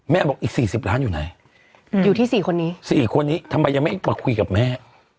บอกอีก๔๐ล้านอยู่ไหนอยู่ที่๔คนนี้๔คนนี้ทำไมยังไม่มาคุยกับแม่